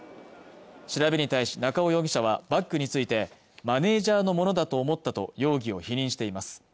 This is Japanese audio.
調べに対し中尾容疑者はバッグについてマネージャーのものだと思ったと容疑を否認しています